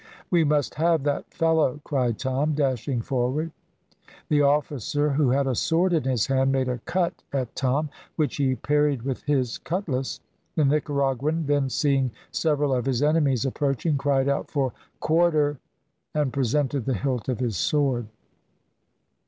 "We must have that fellow," cried Tom, dashing forward. The officer, who had a sword in his hand, made a cut at Tom, which he parried with his cutlass. The Nicaraguan then seeing several of his enemies approaching, cried out for "quarter," and presented the hilt of his sword.